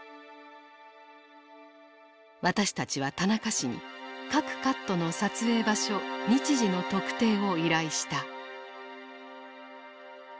私たちは田中氏に各カットの撮影場所日時の特定を依頼した。